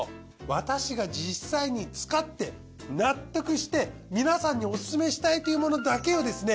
私が実際に使って納得して皆さんにオススメしたいっていうものだけをですね